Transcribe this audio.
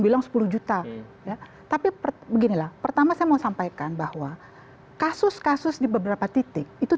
bilang sepuluh juta ya tapi beginilah pertama saya mau sampaikan bahwa kasus kasus di beberapa titik itu